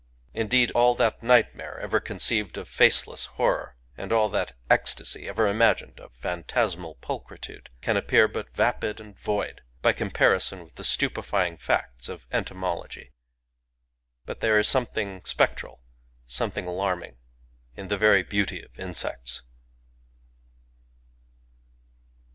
Indeed, all that nightmare ever con ceived of faceless horror, and all that ecstasy ever imagined of phantasmal pulchritude, can appear but vapid and void by comparison with the stupefying facts of entomology. But there is something spectral, something alarming, in the very beauty of insects.